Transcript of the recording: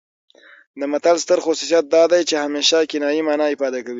د متل ستر خصوصیت دا دی چې همیشه کنايي مانا افاده کوي